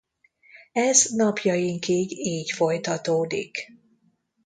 Ez napjainkig így folytatódik.